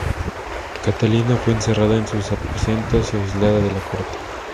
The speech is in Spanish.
Catalina fue encerrada en sus aposentos y aislada de la corte.